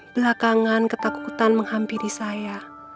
belakangan ketakutan menghampiri saya